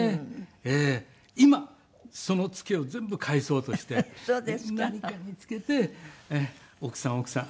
今その付けを全部返そうとして何かにつけて奥さん奥さん。